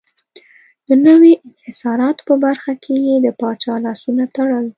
د نویو انحصاراتو په برخه کې یې د پاچا لاسونه تړل.